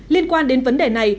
liên quan đến vấn đề này